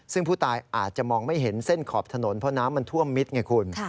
ซึ่งผู้ตายอาจจะมองไม่เห็นเส้นขอบถนนเพราะน้ำมันท่วมมิดไงคุณ